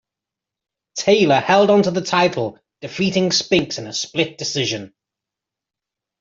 Taylor held on to the title, defeating Spinks in a split decision.